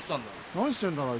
何してんだろう？